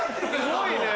すごいねぇ。